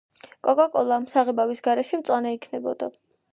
კოკაკოლა საღებავის გარეშე მწვანე იქნებოდა